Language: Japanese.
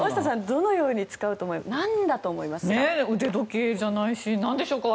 どのように使うと思いますか？